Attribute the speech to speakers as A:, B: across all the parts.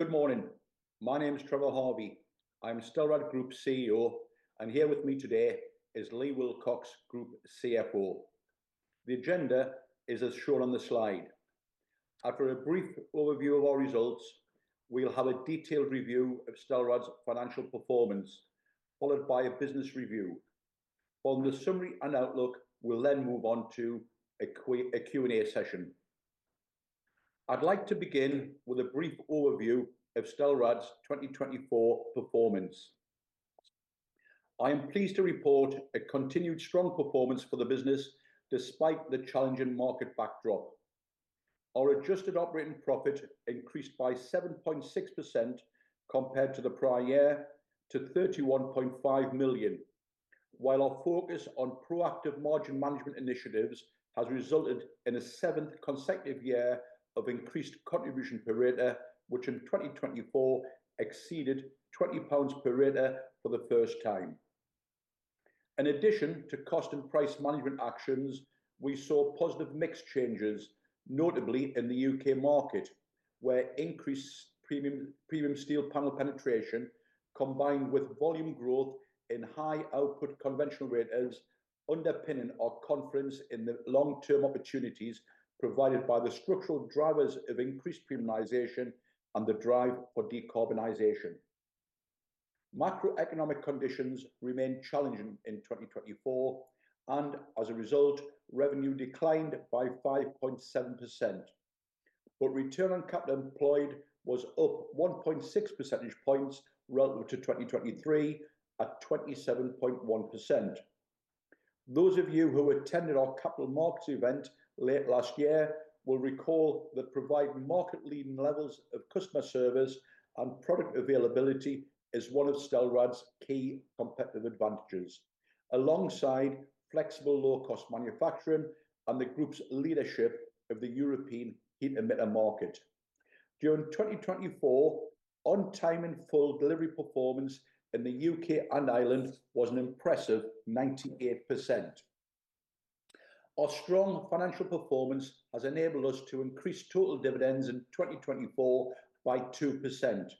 A: Good morning. My name is Trevor Harvey. I'm Stelrad Group CEO, and here with me today is Leigh Wilcox, Group CFO. The agenda is as shown on the slide. After a brief overview of our results, we'll have a detailed review of Stelrad's financial performance, followed by a business review. Following the summary and outlook, we'll then move on to a Q&A session. I'd like to begin with a brief overview of Stelrad's 2024 performance. I am pleased to report a continued strong performance for the business despite the challenging market backdrop. Our adjusted operating profit increased by 7.6% compared to the prior year, to 31.5 million, while our focus on proactive margin management initiatives has resulted in a seventh consecutive year of increased contribution per radiator, which in 2024 exceeded 20 pounds per radiator for the first time. In addition to cost and price management actions, we saw positive mix changes, notably in the U.K. market, where increased premium steel panel penetration, combined with volume growth in high-output conventional radiators, underpin our confidence in the long-term opportunities provided by the structural drivers of increased premiumization and the drive for decarbonization. Macroeconomic conditions remained challenging in 2024, and as a result, revenue declined by 5.7%. Return on capital employed was up 1.6 percentage points relative to 2023, at 27.1%. Those of you who attended our Capital Markets event late last year will recall that providing market-leading levels of customer service and product availability is one of Stelrad's key competitive advantages, alongside flexible, low-cost manufacturing and the Group's leadership of the European heat-emitter market. During 2024, on-time in full delivery performance in the U.K. and Ireland was an impressive 98%. Our strong financial performance has enabled us to increase total dividends in 2024 by 2%.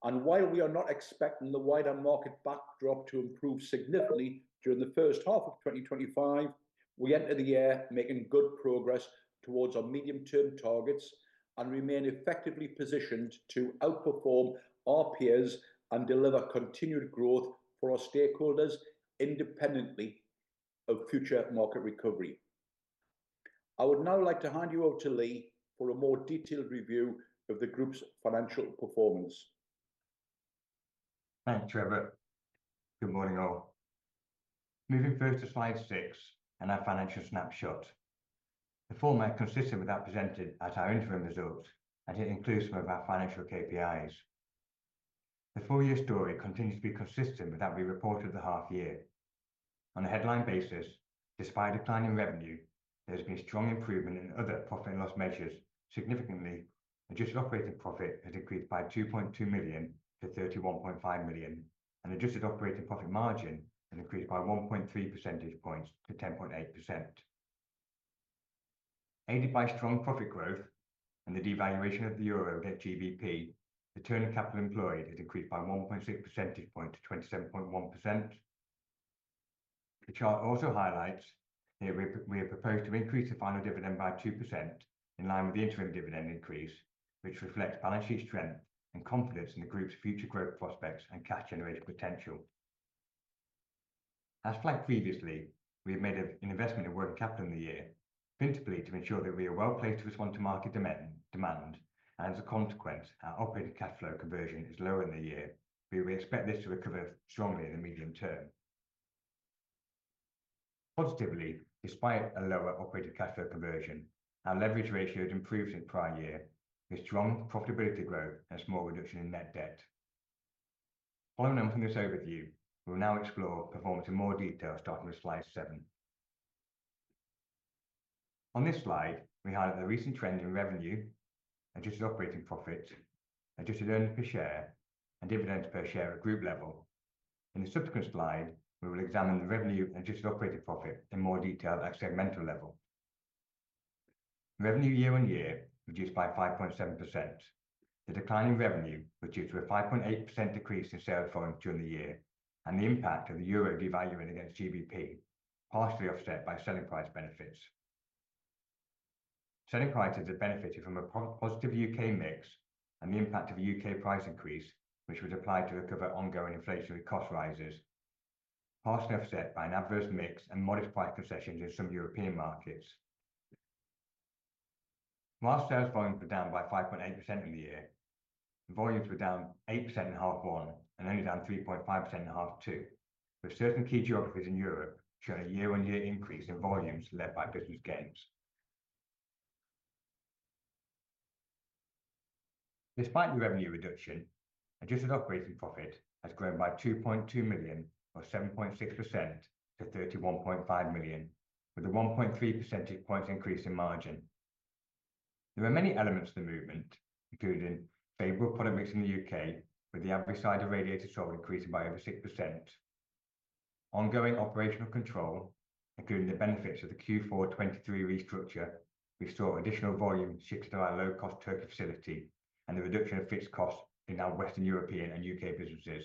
A: While we are not expecting the wider market backdrop to improve significantly during the first half of 2025, we enter the year making good progress towards our medium-term targets and remain effectively positioned to outperform our peers and deliver continued growth for our stakeholders, independently of future market recovery. I would now like to hand you over to Leigh for a more detailed review of the Group's financial performance.
B: Thank you, Trevor. Good morning, all. Moving first to slide six in our financial snapshot. The format consisted of that presented at our interim results, and it includes some of our financial KPIs. The four-year story continues to be consistent with that we reported the half-year. On a headline basis, despite declining revenue, there has been strong improvement in other profit and loss measures. Significantly, adjusted operating profit has increased by 2.2 million to 31.5 million, and adjusted operating profit margin has increased by 1.3 percentage points to 10.8%. Aided by strong profit growth and the devaluation of the euro against GBP, return on capital employed has increased by 1.6 percentage points to 27.1%. The chart also highlights that we have proposed to increase the final dividend by 2% in line with the interim dividend increase, which reflects balance sheet strength and confidence in the Group's future growth prospects and cash-generating potential. As flagged previously, we have made an investment in working capital in the year, principally to ensure that we are well placed to respond to market demand, and as a consequence, our operating cash flow conversion is low in the year, but we expect this to recover strongly in the medium term. Positively, despite a lower operating cash flow conversion, our leverage ratio has improved since prior year, with strong profitability growth and a small reduction in net debt. Following on from this overview, we will now explore performance in more detail, starting with slide seven. On this slide, we highlight the recent trend in revenue, adjusted operating profit, adjusted earnings per share, and dividends per share at group level. In the subsequent slide, we will examine the revenue and adjusted operating profit in more detail at a segmental level. Revenue year-on-year reduced by 5.7%. The declining revenue was due to a 5.8% decrease in sales volume during the year and the impact of the EUR devaluing against GBP, partially offset by selling price benefits. Selling prices have benefited from a positive U.K. mix and the impact of a U.K. price increase, which was applied to recover ongoing inflationary cost rises, partially offset by an adverse mix and modest price concessions in some European markets. While sales volumes were down by 5.8% in the year, volumes were down 8% in half-one and only down 3.5% in half-two, with certain key geographies in Europe showing a year-on-year increase in volumes led by business gains. Despite the revenue reduction, adjusted operating profit has grown by £ 2.2 million, or 7.6%, to 31.5 million, with a 1.3 percentage points increase in margin. There are many elements of the movement, including favorable product mix in the U.K., with the adverse side of radiators sold increasing by over 6%. Ongoing operational control, including the benefits of the Q4 2023 restructure, we saw additional volume shifted to our low-cost Turkey facility and the reduction of fixed costs in our Western European and U.K. businesses.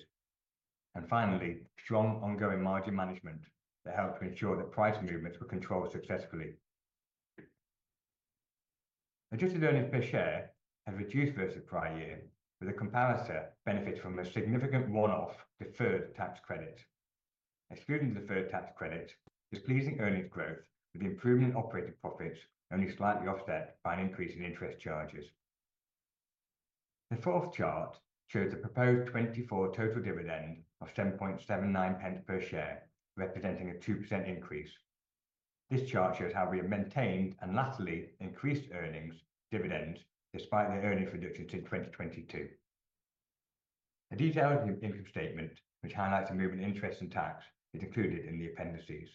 B: Finally, strong ongoing margin management helped to ensure that price movements were controlled successfully. Adjusted earnings per share have reduced versus prior year, with the comparator benefiting from a significant one-off deferred tax credit. Excluding the deferred tax credit, there's pleasing earnings growth, with improvement in operating profits only slightly offset by an increase in interest charges. The fourth chart shows the proposed 2024 total dividend of 0.0779 per share, representing a 2% increase. This chart shows how we have maintained and laterally increased earnings dividends despite the earnings reduction since 2022. A detailed income statement, which highlights the moving interest and tax, is included in the appendices.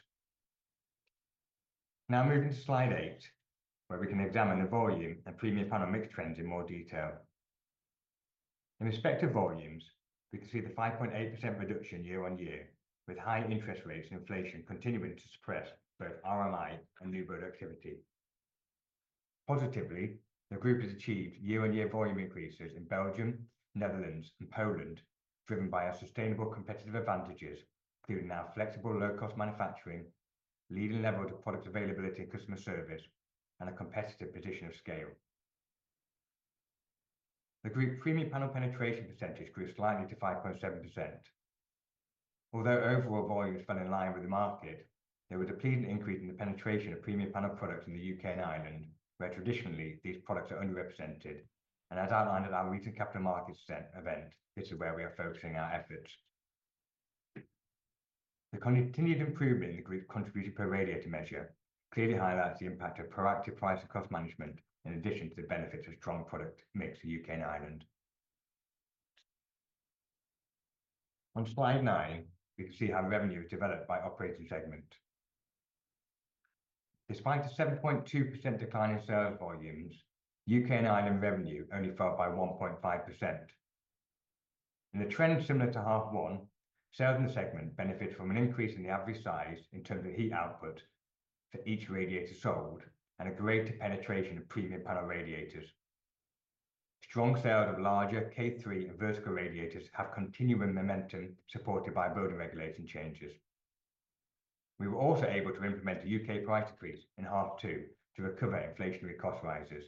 B: Now moving to slide eight, where we can examine the volume and premium panel mix trends in more detail. In respect to volumes, we can see the 5.8% reduction year-on-year, with high interest rates and inflation continuing to suppress both RMI and new productivity. Positively, the Group has achieved year-on-year volume increases in Belgium, Netherlands, and Poland, driven by our sustainable competitive advantages, including our flexible low-cost manufacturing, leading levels of product availability and customer service, and a competitive position of scale. The Group premium panel penetration percentage grew slightly to 5.7%. Although overall volumes fell in line with the market, there was a pleasant increase in the penetration of premium panel products in the U.K. and Ireland, where traditionally these products are underrepresented. As outlined at our recent Capital Markets event, this is where we are focusing our efforts. The continued improvement in the Group contributed per radiator measure clearly highlights the impact of proactive price and cost management, in addition to the benefits of strong product mix in the U.K. and Ireland. On slide nine, we can see how revenue is developed by operating segment. Despite the 7.2% decline in sales volumes, U.K. and Ireland revenue only fell by 1.5%. In a trend similar to half one, sales in the segment benefit from an increase in the average size in terms of heat output for each radiator sold and a greater penetration of premium panel radiators. Strong sales of larger K3 and vertical radiators have continuing momentum, supported by building regulation changes. We were also able to implement a U.K. price decrease in half two to recover inflationary cost rises.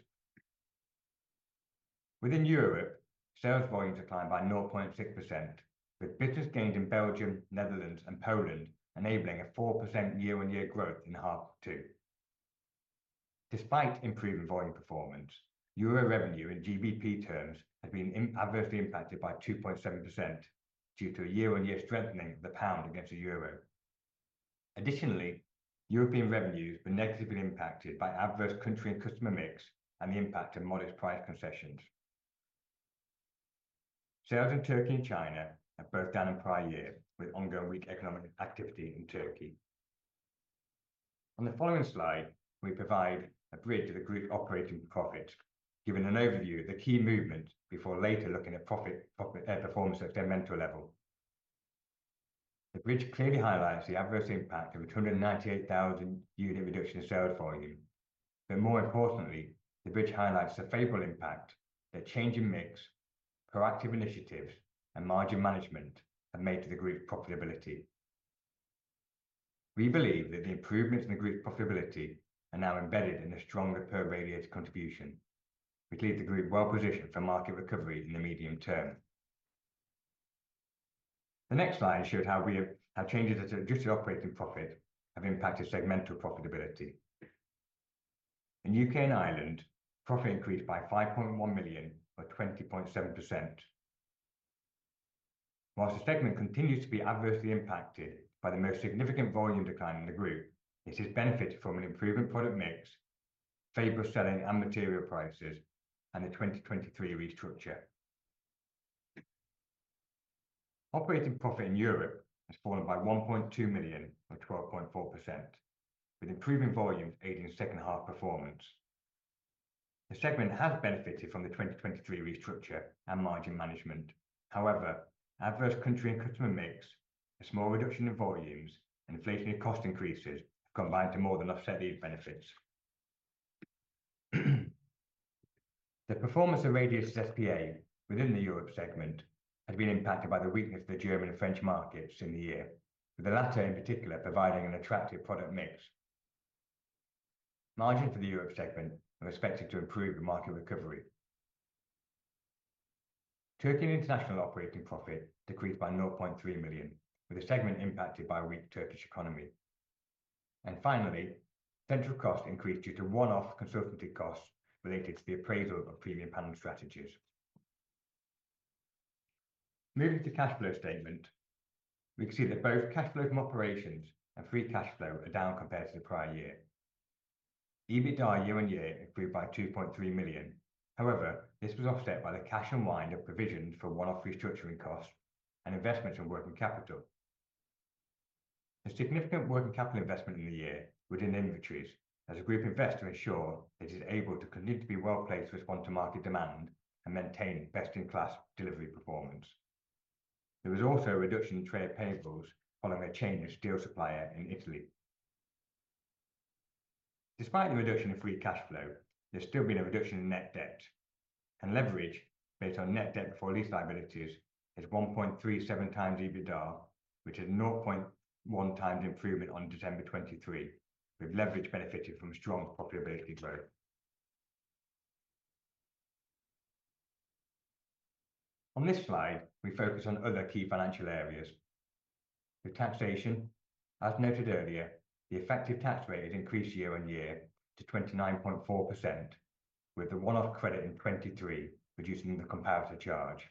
B: Within Europe, sales volumes declined by 0.6%, with business gains in Belgium, Netherlands, and Poland enabling a 4% year-on-year growth in half two. Despite improving volume performance, EUR revenue in GBP terms has been adversely impacted by 2.7% due to a year-on-year strengthening of the pound against the euro. Additionally, European revenues were negatively impacted by adverse country and customer mix and the impact of modest price concessions. Sales in Turkey and China have both down in prior year, with ongoing weak economic activity in Turkey. On the following slide, we provide a bridge to the Group operating profits, giving an overview of the key movements before later looking at profit performance at a segmental level. The bridge clearly highlights the adverse impact of a 298,000 unit reduction in sales volume. More importantly, the bridge highlights the favorable impact that changing mix, proactive initiatives, and margin management have made to the Group's profitability. We believe that the improvements in the Group's profitability are now embedded in a stronger per radiator contribution, which leaves the Group well positioned for market recovery in the medium term. The next slide shows how changes to adjusted operating profit have impacted segmental profitability. In U.K. and Ireland, profit increased by £5.1 million, or 20.7%. Whilst the segment continues to be adversely impacted by the most significant volume decline in the Group, it has benefited from an improving product mix, favorable selling and material prices, and the 2023 restructure. Operating profit in Europe has fallen by £1.2 million, or 12.4%, with improving volumes aiding second-half performance. The segment has benefited from the 2023 restructure and margin management. However, adverse country and customer mix, a small reduction in volumes, and inflationary cost increases have combined to more than offset these benefits. The performance of Radiatori SPA within the Europe segment has been impacted by the weakness of the German and French markets in the year, with the latter in particular providing an attractive product mix. Margins for the Europe segment are expected to improve with market recovery. Turkey and international operating profit decreased by £0.3 million, with the segment impacted by a weak Turkish economy. Central costs increased due to one-off consultancy costs related to the appraisal of premium panel strategies. Moving to the cash flow statement, we can see that both cash flow from operations and free cash flow are down compared to the prior year. EBITDA year-on-year improved by £2.3 million. However, this was offset by the cash unwind of provisions for one-off restructuring costs and investments in working capital. The significant working capital investment in the year within inventories has the Group invested to ensure it is able to continue to be well placed to respond to market demand and maintain best-in-class delivery performance. There was also a reduction in trade payables following a change in steel supplier in Italy. Despite the reduction in free cash flow, there has still been a reduction in net debt. Leverage based on net debt before lease liabilities is 1.37 times EBITDA, which is a 0.1 times improvement on December 2023, with leverage benefiting from strong profitability growth. On this slide, we focus on other key financial areas. With taxation, as noted earlier, the effective tax rate has increased year-on-year to 29.4%, with the one-off credit in 2023 reducing the comparator charge.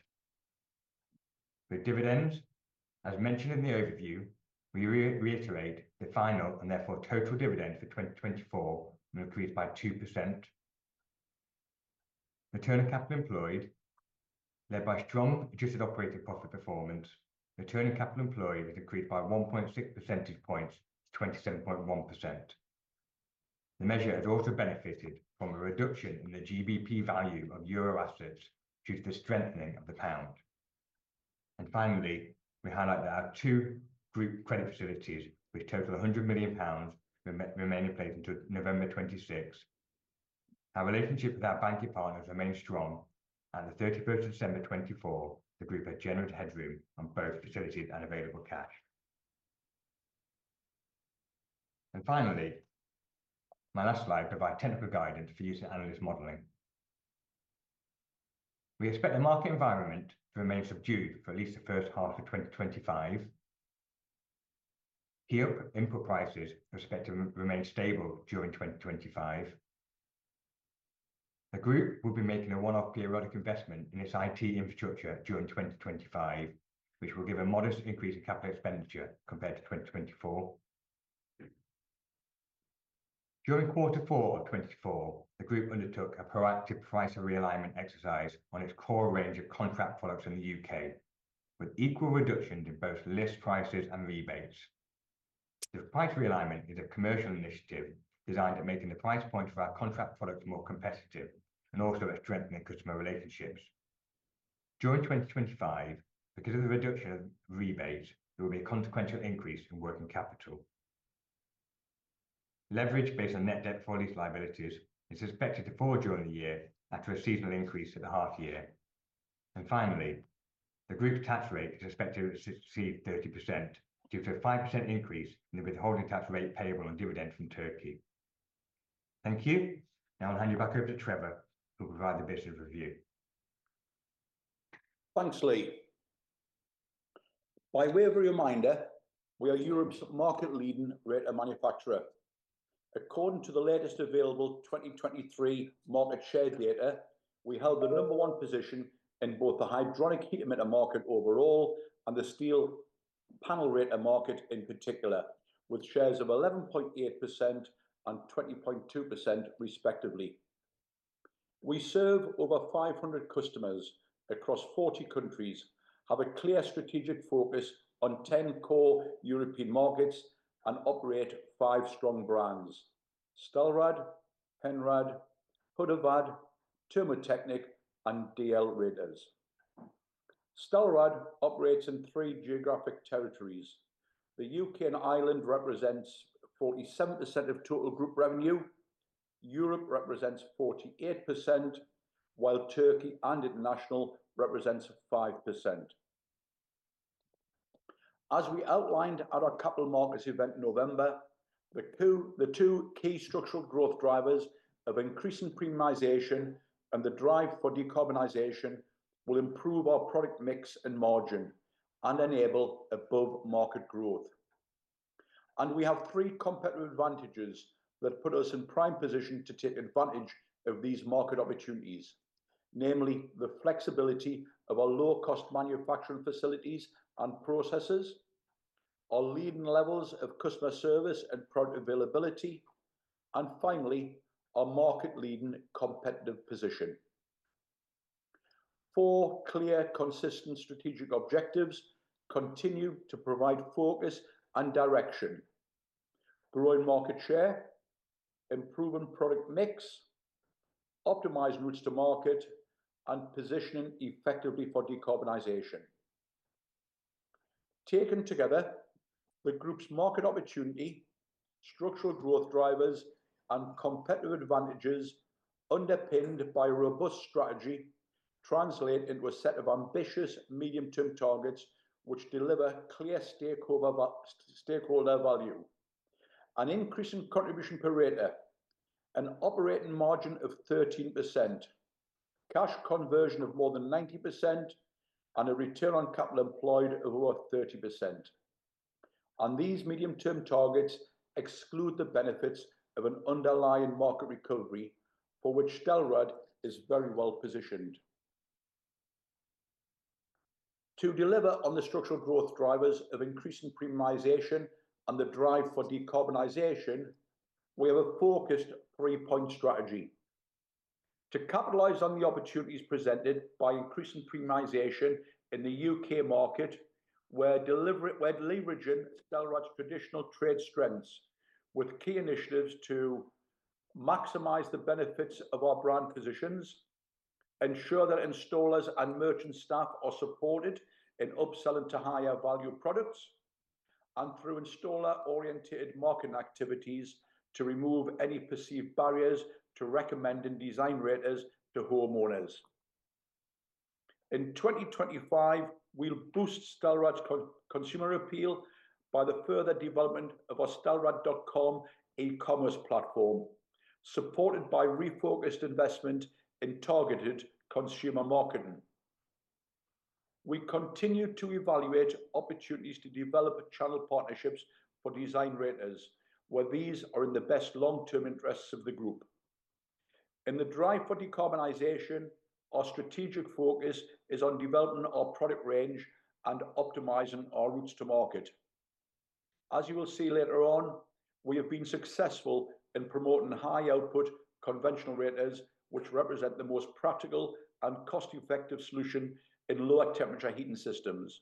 B: With dividends, as mentioned in the overview, we reiterate the final and therefore total dividend for 2024 will increase by 2%. Returning capital employed, led by strong adjusted operating profit performance, return on capital employed has decreased by 1.6 percentage points to 27.1%. The measure has also benefited from a reduction in the GBP value of euro assets due to the strengthening of the pound. Finally, we highlight that our two Group credit facilities, which total £100 million, remain in place until November 2026. Our relationship with our banking partners remains strong, and at December 31, 2024, the Group has generous headroom on both facilities and available cash. Finally, my last slide provides technical guidance for use of analyst modeling. We expect the market environment to remain subdued for at least the first half of 2025. Key input prices are expected to remain stable during 2025. The Group will be making a one-off periodic investment in its IT infrastructure during 2025, which will give a modest increase in capital expenditure compared to 2024. During quarter four of 2024, the Group undertook a proactive price realignment exercise on its core range of contract products in the U.K., with equal reductions in both list prices and rebates. The price realignment is a commercial initiative designed at making the price points for our contract products more competitive and also at strengthening customer relationships. During 2025, because of the reduction of rebates, there will be a consequential increase in working capital. Leverage based on net debt for lease liabilities is expected to fall during the year after a seasonal increase at the half-year. Finally, the Group tax rate is expected to exceed 30% due to a 5% increase in the withholding tax rate payable on dividends from Turkey. Thank you. Now I'll hand you back over to Trevor, who will provide the business review.
A: Thanks, Leigh. By way of a reminder, we are Europe's market-leading radiator manufacturer. According to the latest available 2023 market share data, we held the number one position in both the hydronic heat emitter market overall and the steel panel radiator market in particular, with shares of 11.8% and 20.2% respectively. We serve over 500 customers across 40 countries, have a clear strategic focus on 10 core European markets, and operate five strong brands: Stelrad, Henrad, Hudevad, Termo Teknik, and DL Radiators. Stelrad operates in three geographic territories. The U.K. and Ireland represent 47% of total Group revenue. Europe represents 48%, while Turkey and international represents 5%. As we outlined at our couple markets event in November, the two key structural growth drivers of increasing premiumization and the drive for decarbonization will improve our product mix and margin and enable above-market growth. We have three competitive advantages that put us in prime position to take advantage of these market opportunities, namely the flexibility of our low-cost manufacturing facilities and processes, our leading levels of customer service and product availability, and finally, our market-leading competitive position. Four clear, consistent strategic objectives continue to provide focus and direction: growing market share, improving product mix, optimizing routes to market, and positioning effectively for decarbonization. Taken together, the Group's market opportunity, structural growth drivers, and competitive advantages underpinned by a robust strategy translate into a set of ambitious medium-term targets which deliver clear stakeholder value: an increase in contribution per radiator, an operating margin of 13%, cash conversion of more than 90%, and a return on capital employed of over 30%. These medium-term targets exclude the benefits of an underlying market recovery for which Stelrad is very well positioned. To deliver on the structural growth drivers of increasing premiumization and the drive for decarbonization, we have a focused three-point strategy. To capitalize on the opportunities presented by increasing premiumization in the U.K. market, we're leveraging Stelrad's traditional trade strengths with key initiatives to maximize the benefits of our brand positions, ensure that installers and merchant staff are supported in upselling to higher value products, and through installer-oriented marketing activities to remove any perceived barriers to recommending design radiators to homeowners. In 2025, we'll boost Stelrad's consumer appeal by the further development of our Stelrad.com e-commerce platform, supported by refocused investment in targeted consumer marketing. We continue to evaluate opportunities to develop channel partnerships for design radiators, where these are in the best long-term interests of the Group. In the drive for decarbonization, our strategic focus is on developing our product range and optimizing our routes to market. As you will see later on, we have been successful in promoting high-output conventional radiators, which represent the most practical and cost-effective solution in lower temperature heating systems.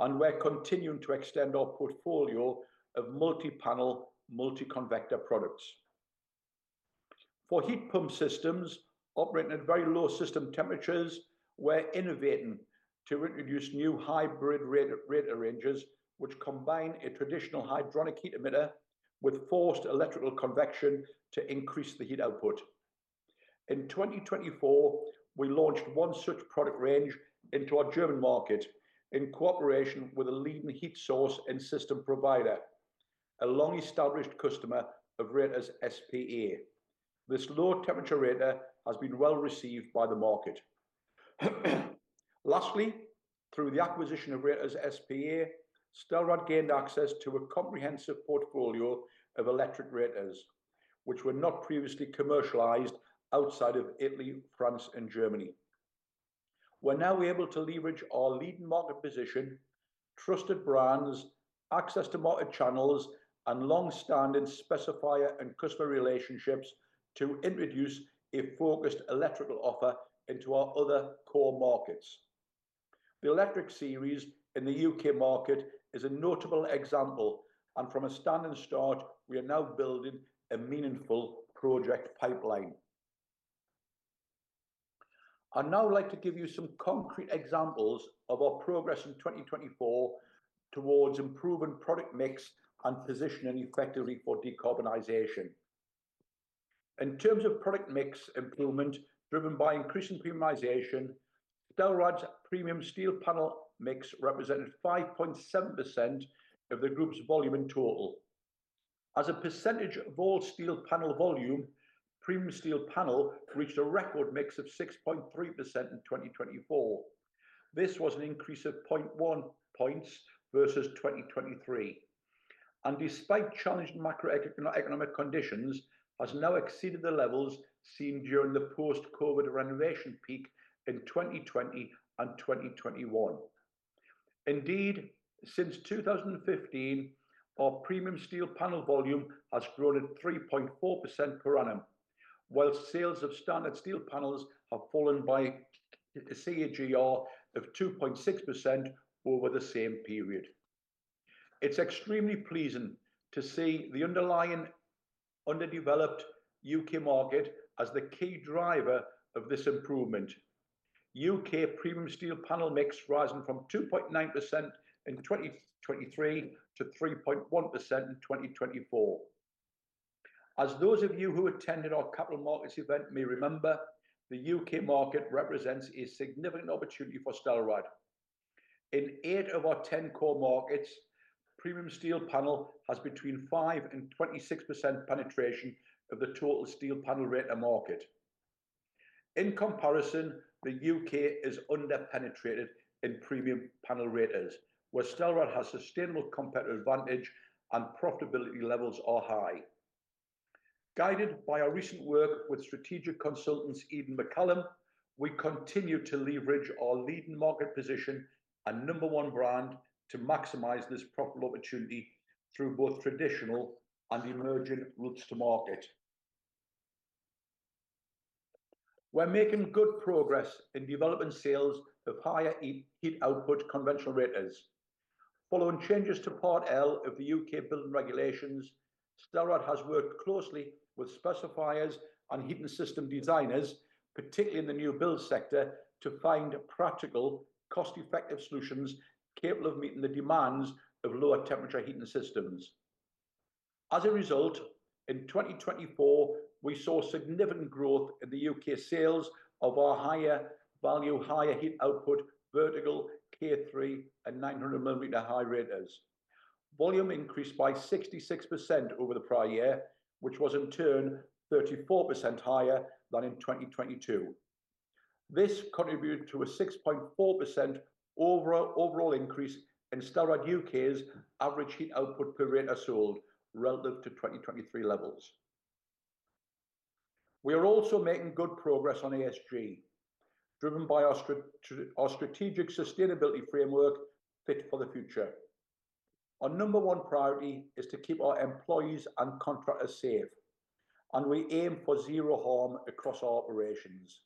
A: We are continuing to extend our portfolio of multi-panel, multi-convector products. For heat pump systems operating at very low system temperatures, we are innovating to introduce new hybrid radiator ranges, which combine a traditional hydronic heat emitter with forced electrical convection to increase the heat output. In 2024, we launched one such product range into our German market in cooperation with a leading heat source and system provider, a long-established customer of Radiatori SPA. This low-temperature radiator has been well received by the market. Lastly, through the acquisition of Radiatori SPA, Stelrad gained access to a comprehensive portfolio of electric radiators, which were not previously commercialized outside of Italy, France, and Germany. We're now able to leverage our leading market position, trusted brands, access to market channels, and long-standing specifier and customer relationships to introduce a focused electrical offer into our other core markets. The electric series in the U.K. market is a notable example, and from a standing start, we are now building a meaningful project pipeline. I'd now like to give you some concrete examples of our progress in 2024 towards improving product mix and positioning effectively for decarbonization. In terms of product mix improvement driven by increasing premiumization, Stelrad's premium steel panel mix represented 5.7% of the Group's volume in total. As a percentage of all steel panel volume, premium steel panel reached a record mix of 6.3% in 2024. This was an increase of 0.1 percentage points versus 2023. Despite challenging macroeconomic conditions, it has now exceeded the levels seen during the post-COVID renovation peak in 2020 and 2021. Indeed, since 2015, our premium steel panel volume has grown at 3.4% per annum, while sales of standard steel panels have fallen by a CAGR of 2.6% over the same period. It's extremely pleasing to see the underlying underdeveloped U.K. market as the key driver of this improvement. U.K. premium steel panel mix rose from 2.9% in 2023 to 3.1% in 2024. As those of you who attended our couple markets event may remember, the U.K. market represents a significant opportunity for Stelrad. In eight of our 10 core markets, premium steel panel has between 5% and 26% penetration of the total steel panel radiator market. In comparison, the U.K. is underpenetrated in premium panel radiators, where Stelrad has sustainable competitive advantage and profitability levels are high. Guided by our recent work with strategic consultants Eden McCallum, we continue to leverage our leading market position and number one brand to maximize this profitable opportunity through both traditional and emerging routes to market. We're making good progress in developing sales of higher heat output conventional radiators. Following changes to Part L of the U.K. building regulations, Stelrad has worked closely with specifiers and heating system designers, particularly in the new build sector, to find practical, cost-effective solutions capable of meeting the demands of lower temperature heating systems. As a result, in 2024, we saw significant growth in the U.K. sales of our higher value, higher heat output vertical K3 and 900 high radiators, volume increased by 66% over the prior year, which was in turn 34% higher than in 2022. This contributed to a 6.4% overall increase in Stelrad U.K.'s average heat output per radiator sold relative to 2023 levels. We are also making good progress on ESG, driven by our strategic sustainability framework fit for the future. Our number one priority is to keep our employees and contractors safe, and we aim for zero harm across our operations.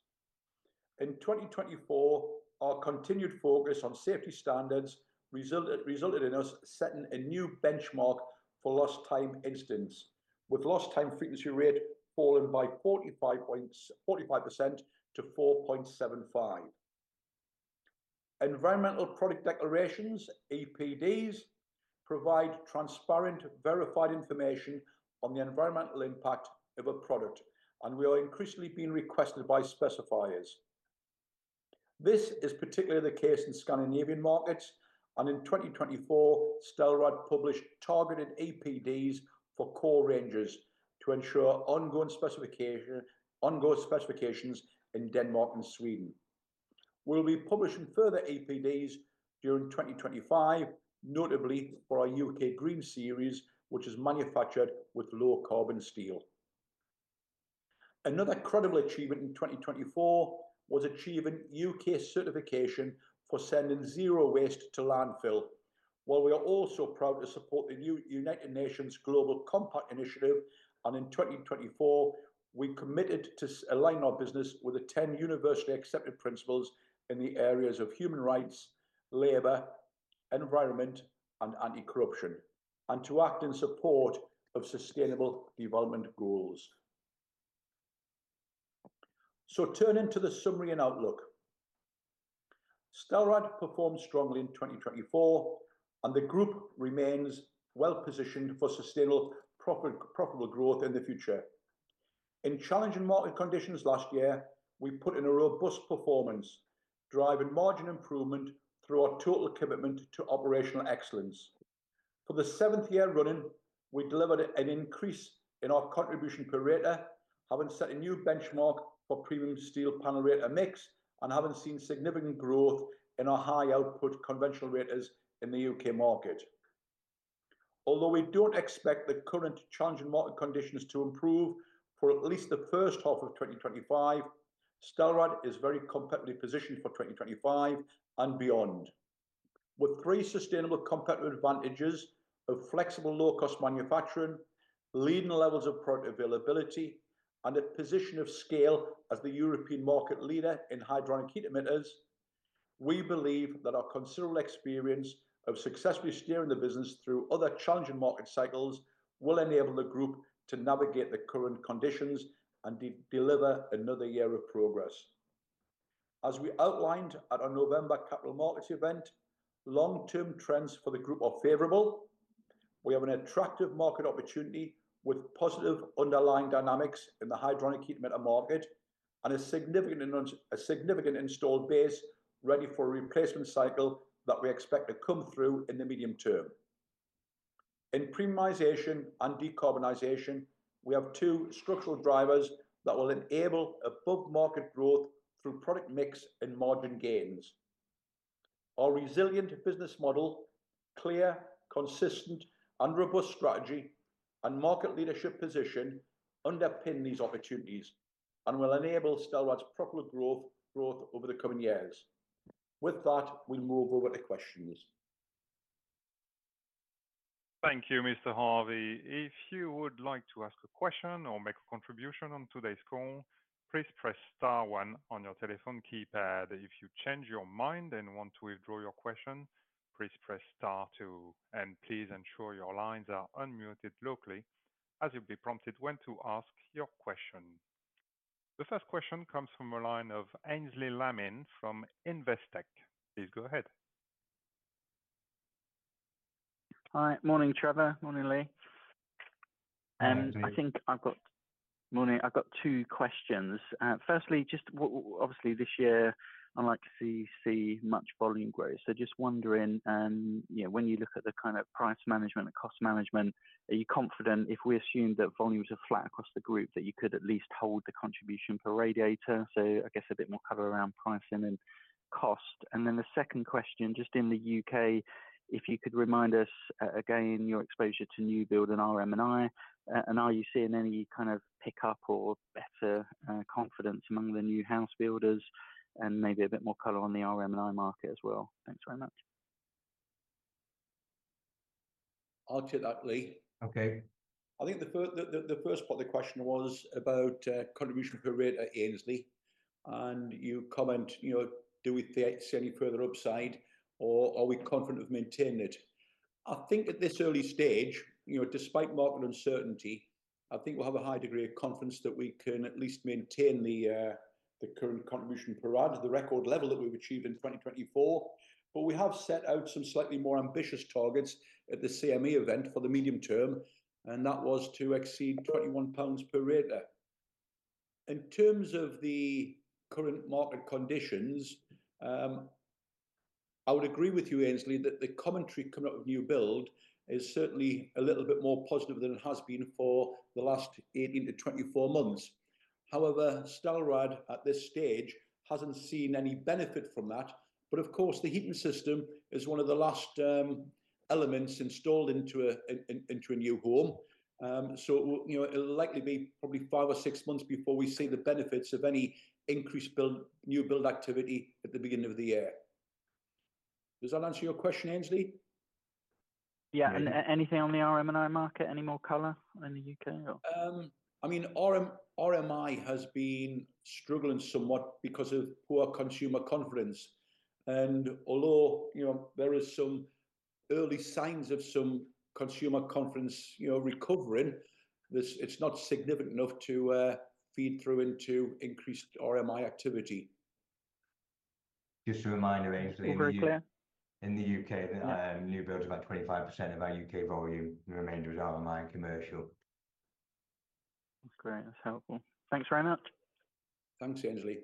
A: In 2024, our continued focus on safety standards resulted in us setting a new benchmark for lost-time incidents, with lost-time frequency rate falling by 45% to 4.75. Environmental product declarations, EPDs, provide transparent, verified information on the environmental impact of a product, and we are increasingly being requested by specifiers. This is particularly the case in Scandinavian markets, and in 2024, Stelrad published targeted EPDs for core ranges to ensure ongoing specifications in Denmark and Sweden. will be publishing further EPDs during 2025, notably for our UK Green Series, which is manufactured with low carbon steel. Another credible achievement in 2024 was achieving UK certification for sending zero waste to landfill. We are also proud to support the United Nations Global Compact Initiative. In 2024, we committed to align our business with the 10 universally accepted principles in the areas of human rights, labor, environment, and anti-corruption, and to act in support of Sustainable Development Goals. Turning to the summary and outlook, Stelrad performed strongly in 2024, and the Group remains well positioned for sustainable profitable growth in the future. In challenging market conditions last year, we put in a robust performance, driving margin improvement through our total commitment to operational excellence. For the seventh year running, we delivered an increase in our contribution per radiator, having set a new benchmark for premium steel panel radiator mix and having seen significant growth in our high-output conventional radiators in the U.K. market. Although we don't expect the current challenging market conditions to improve for at least the first half of 2025, Stelrad is very competitively positioned for 2025 and beyond. With three sustainable competitive advantages of flexible low-cost manufacturing, leading levels of product availability, and a position of scale as the European market leader in hydronic heat emitters, we believe that our considerable experience of successfully steering the business through other challenging market cycles will enable the Group to navigate the current conditions and deliver another year of progress. As we outlined at our November capital markets event, long-term trends for the Group are favorable. We have an attractive market opportunity with positive underlying dynamics in the hydronic heat emitter market and a significant installed base ready for a replacement cycle that we expect to come through in the medium term. In premiumization and decarbonization, we have two structural drivers that will enable above-market growth through product mix and margin gains. Our resilient business model, clear, consistent, and robust strategy, and market leadership position underpin these opportunities and will enable Stelrad's proper growth over the coming years. With that, we will move over to questions.
C: Thank you, Mr. Harvey. If you would like to ask a question or make a contribution on today's call, please press Star 1 on your telephone keypad. If you change your mind and want to withdraw your question, please press Star 2. Please ensure your lines are unmuted locally as you will be prompted when to ask your question. The first question comes from a line of Aynsley Lammin from Investec. Please go ahead.
D: Hi. Morning, Trevor. Morning, Leigh. I think I've got morning. I've got two questions. Firstly, just obviously this year, I'd like to see much volume growth. Just wondering, when you look at the kind of price management and cost management, are you confident if we assume that volumes are flat across the group that you could at least hold the contribution per radiator? I guess a bit more color around pricing and cost. The second question, just in the U.K., if you could remind us again your exposure to new build and RM&I, and are you seeing any kind of pickup or better confidence among the new house builders and maybe a bit more color on the RM&I market as well? Thanks very much.
A: I'll take that, Leigh. Okay. I think the first part of the question was about contribution per radiator, Ainsley, and you comment, do we see any further upside or are we confident of maintaining it? I think at this early stage, despite market uncertainty, I think we'll have a high degree of confidence that we can at least maintain the current contribution per radiator, the record level that we've achieved in 2024. We have set out some slightly more ambitious targets at the CME event for the medium term, and that was to exceed 21 pounds per radiator. In terms of the current market conditions, I would agree with you, Ainsley, that the commentary coming out of new build is certainly a little bit more positive than it has been for the last 18-24 months. However, Stelrad at this stage hasn't seen any benefit from that. Of course, the heating system is one of the last elements installed into a new home. It will likely be probably five or six months before we see the benefits of any increased new build activity at the beginning of the year. Does that answer your question, Ainsley?
D: Yeah. Anything on the RM&I market? Any more color in the U.K.?
A: I mean, RM&I has been struggling somewhat because of poor consumer confidence. Although there are some early signs of some consumer confidence recovering, it is not significant enough to feed through into increased RM&I activity.
B: Just a reminder, Ainsley. In the U.K., new build is about 25% of our U.K. volume. The remainder is RM&I and commercial.
D: That's great. That's helpful. Thanks very much.
B: Thanks, Aynsley.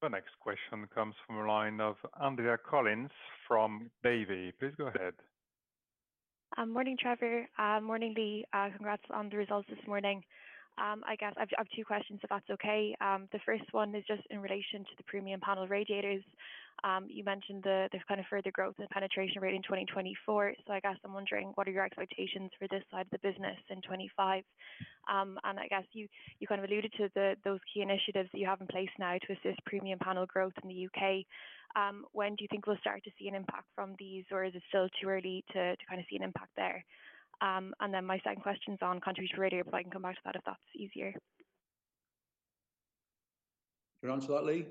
C: The next question comes from a line of Andrea Collins from Davy. Please go ahead.
E: Morning, Trevor. Morning, Leigh. Congrats on the results this morning. I guess I have two questions, if that's okay. The first one is just in relation to the premium panel radiators. You mentioned the kind of further growth in the penetration rate in 2024. I guess I'm wondering, what are your expectations for this side of the business in 2025? I guess you kind of alluded to those key initiatives that you have in place now to assist premium panel growth in the U.K. When do you think we'll start to see an impact from these, or is it still too early to kind of see an impact there? My second question is on countries for radar, but I can come back to that if that's easier.
A: You're on to that, Leigh?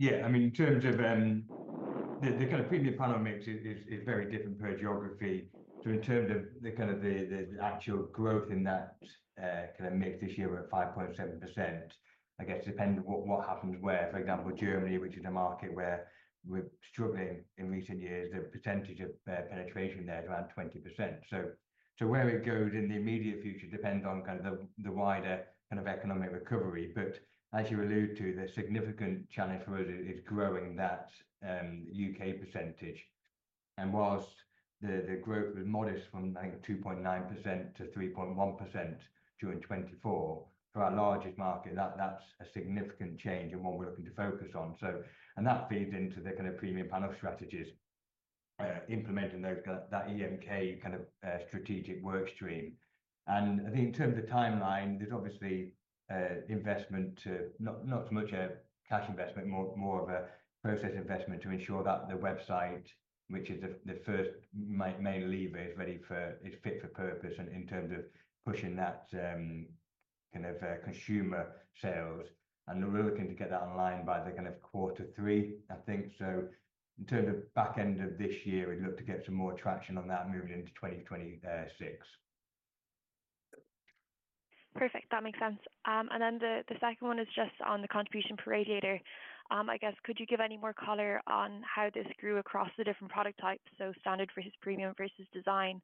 B: Yeah. I mean, in terms of the kind of premium panel mix, it's very different per geography. In terms of the actual growth in that kind of mix this year at 5.7%, I guess depending on what happens where. For example, Germany, which is a market where we're struggling in recent years, the percentage of penetration there is around 20%. Where it goes in the immediate future depends on the wider economic recovery. As you alluded to, the significant challenge for us is growing that U.K. percentage. Whilst the growth was modest from 2.9% to 3.1% during 2024 for our largest market, that's a significant change in what we're looking to focus on. That feeds into the premium panel strategies, implementing that EMK strategic workstream. I think in terms of timeline, there's obviously investment, not so much a cash investment, more of a process investment to ensure that the website, which is the first main lever, is fit for purpose in terms of pushing that kind of consumer sales. We're looking to get that aligned by the kind of quarter three, I think. In terms of back end of this year, we'd look to get some more traction on that moving into 2026.
E: Perfect. That makes sense. The second one is just on the contribution per radiator. I guess, could you give any more color on how this grew across the different product types? Standard versus premium versus design.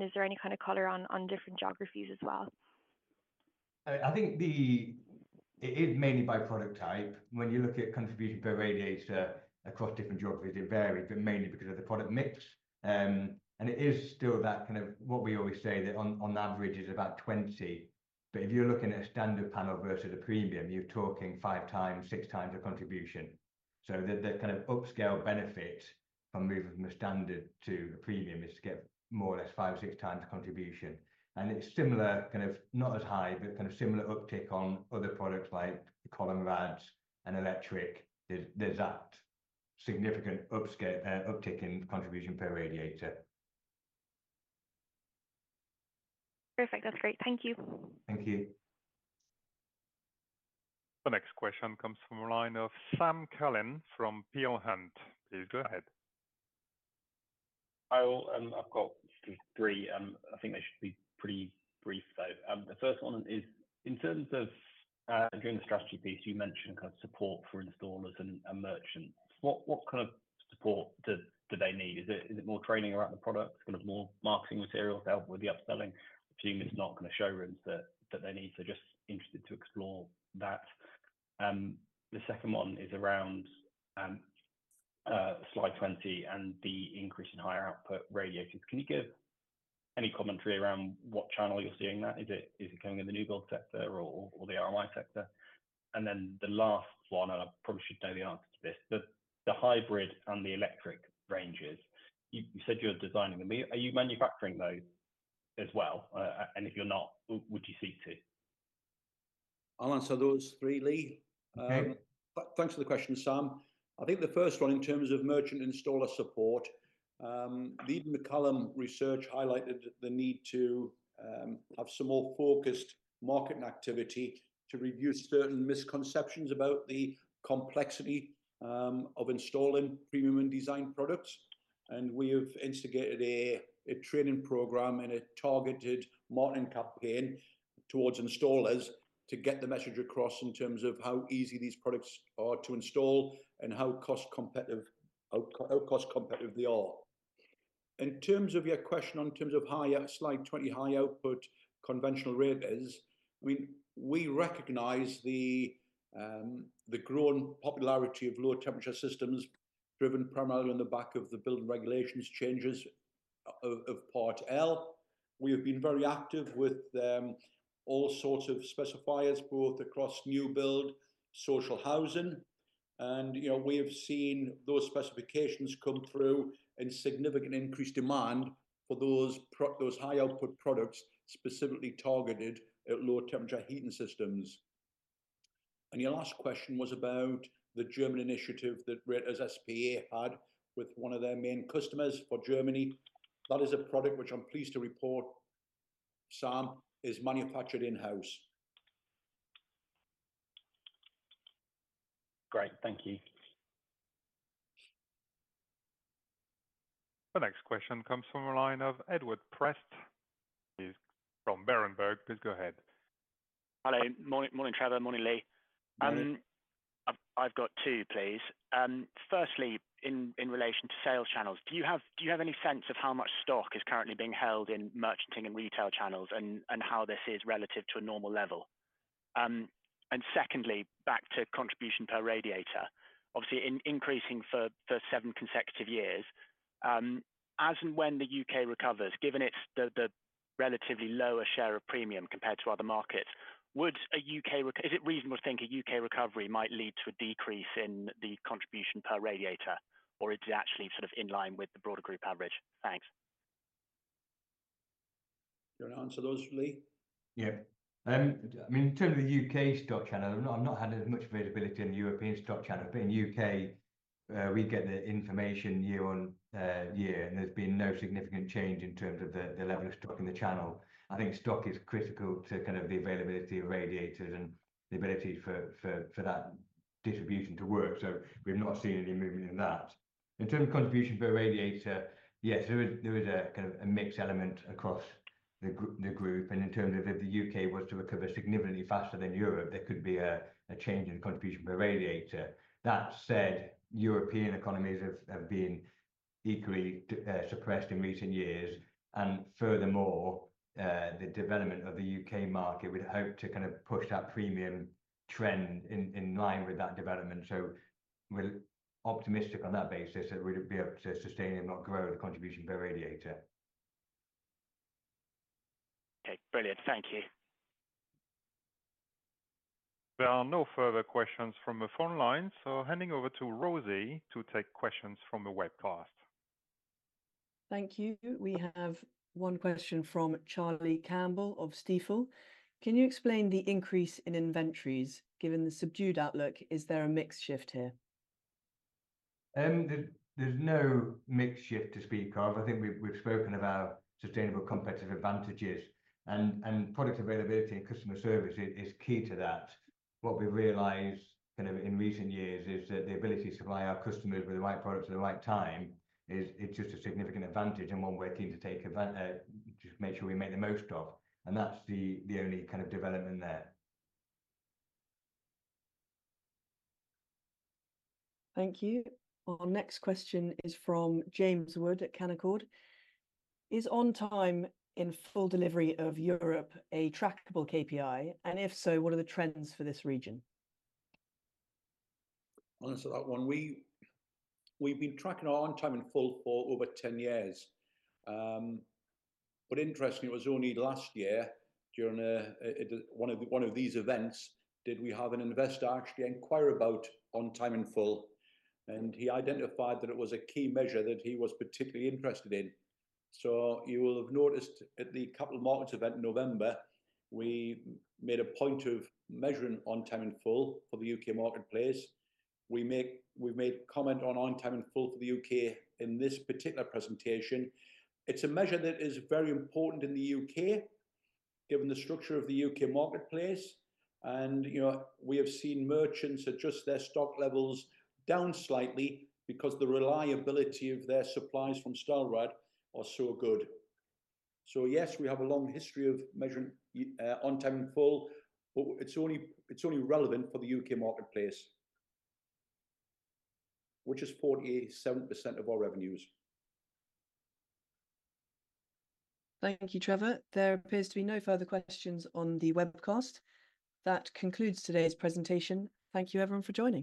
E: Is there any kind of color on different geographies as well?
B: I think it's mainly by product type. When you look at contribution per radiator across different geographies, it varies, but mainly because of the product mix. It is still that kind of what we always say that on average is about 20. If you're looking at a standard panel versus a premium, you're talking five times, six times a contribution. The kind of upscale benefit from moving from a standard to a premium is to get more or less five, six times contribution. It is similar kind of not as high, but kind of similar uptick on other products like column radiators and electric. There's that significant uptick in contribution per radiator.
E: Perfect. That's great. Thank you.
B: Thank you.
C: The next question comes from a line of Sam Cullen from Peel Hunt, please go ahead.
F: I've got three. I think they should be pretty brief, though. The first one is, in terms of doing the strategy piece, you mentioned kind of support for installers and merchants. What kind of support do they need? Is it more training around the product, kind of more marketing materials to help with the upselling? Assume it's not kind of showrooms that they need, just interested to explore that. The second one is around slide 20 and the increase in higher output radiators. Can you give any commentary around what channel you're seeing that? Is it coming in the new build sector or the RMI sector? The last one, and I probably should know the answer to this, the hybrid and the electric ranges. You said you're designing them. Are you manufacturing those as well? If you're not, would you seek to?
B: I'll answer those freely. Thanks for the question, Sam. I think the first one, in terms of merchant installer support, Leigh Wilcox Research highlighted the need to have some more focused marketing activity to reduce certain misconceptions about the complexity of installing premium and design products. We have instigated a training program and a targeted marketing campaign towards installers to get the message across in terms of how easy these products are to install and how cost-competitive they are. In terms of your question on slide 20, high-output conventional radiators, I mean, we recognize the growing popularity of low temperature systems driven primarily on the back of the building regulations changes of Part L. We have been very active with all sorts of specifiers, both across new build, social housing. We have seen those specifications come through in significant increased demand for those high-output products specifically targeted at low temperature heating systems. Your last question was about the German initiative that Radiatori SPA had with one of their main customers for Germany. That is a product which I am pleased to report, Sam, is manufactured in-house.
F: Great. Thank you.
C: The next question comes from a line of Edward Prest. He is from Berenberg. Please go ahead.
G: Hello. Morning, Trevor. Morning, Leigh. I have got two, please. Firstly, in relation to sales channels, do you have any sense of how much stock is currently being held in merchanting and retail channels and how this is relative to a normal level? Secondly, back to contribution per radiator, obviously increasing for seven consecutive years. As and when the U.K. recovers, given its relatively lower share of premium compared to other markets, is it reasonable to think a U.K. recovery might lead to a decrease in the contribution per radiator, or is it actually sort of in line with the broader group average? Thanks.
A: You want to answer those, Leigh?
B: Yeah. I mean, in terms of the U.K. stock channel, I've not had as much availability in the European stock channel. In the U.K., we get the information year on year, and there's been no significant change in terms of the level of stock in the channel. I think stock is critical to kind of the availability of radiators and the ability for that distribution to work. We have not seen any movement in that. In terms of contribution per radiator, yes, there is a kind of mixed element across the group. In terms of if the U.K. was to recover significantly faster than Europe, there could be a change in contribution per radiator. That said, European economies have been equally suppressed in recent years. Furthermore, the development of the U.K. market would help to kind of push that premium trend in line with that development. We are optimistic on that basis that we would be able to sustain and not grow the contribution per radiator.
G: Okay. Brilliant. Thank you.
C: There are no further questions from the phone line. Handing over to Rosie to take questions from the webcast.
H: Thank you. We have one question from Charlie Campbell of Stifel. Can you explain the increase in inventories given the subdued outlook? Is there a mix shift here?
B: There is no mix shift to speak of. I think we have spoken about sustainable competitive advantages. Product availability and customer service is key to that. What we've realized kind of in recent years is that the ability to supply our customers with the right product at the right time is just a significant advantage and one we're keen to take advantage of, just make sure we make the most of. That's the only kind of development there.
H: Thank you. Our next question is from James Wood at Canaccord. Is on time in full delivery of Europe a trackable KPI? If so, what are the trends for this region?
A: Answer that one. We've been tracking our on time in full for over 10 years. Interestingly, it was only last year during one of these events did we have an investor actually inquire about on time in full. He identified that it was a key measure that he was particularly interested in. You will have noticed at the Capital Markets Event in November, we made a point of measuring on time in full for the U.K. marketplace. We made comment on on time in full for the U.K. in this particular presentation. It's a measure that is very important in the U.K. given the structure of the U.K. marketplace. We have seen merchants adjust their stock levels down slightly because the reliability of their supplies from Stelrad are so good. Yes, we have a long history of measuring on time in full, but it's only relevant for the U.K. marketplace, which is 47% of our revenues.
H: Thank you, Trevor. There appears to be no further questions on the webcast. That concludes today's presentation. Thank you, everyone, for joining.